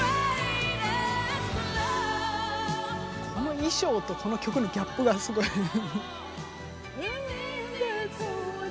この衣装とこの曲のギャップがすごい。